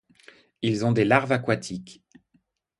Ils ont des larves aquatiques.